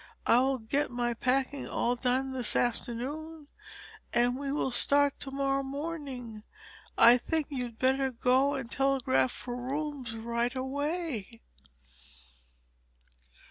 I will get my packing all done this afternoon, and we will start to morrow morning; and I think that you'd better go and telegraph for rooms right away."